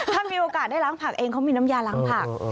ถ้ามีโอกาสได้ล้างผักเองเขามีน้ำยาล้างผัก